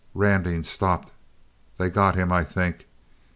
" Randing stopped. They got him I think.